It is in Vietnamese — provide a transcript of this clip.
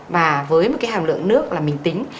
và với hàm lượng nước mình tính